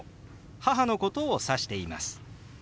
母のことを指しています。